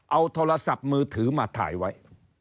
เอาโทรศัพท์มือถือมาถ่ายไว้